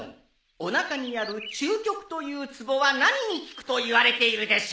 おなかにある「中極」というツボは何に効くといわれているでしょう？